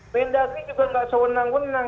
mendagri juga nggak sewenang wenang